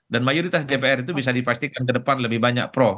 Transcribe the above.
dan mayoritas dpr itu bisa dipastikan ke depan lebih banyak pro